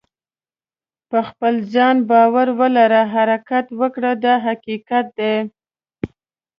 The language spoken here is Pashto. په خپل ځان باور ولره حرکت وکړه دا حقیقت دی.